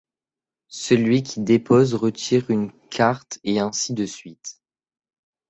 Celui qui dépose retire une carte et ainsi de suite.